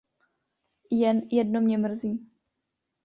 Jen jedno mě mrzí.